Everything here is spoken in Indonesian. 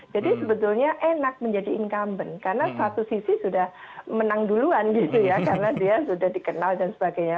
jadi sebetulnya enak menjadi incumbent karena satu sisi sudah menang duluan karena dia sudah dikenal dan sebagainya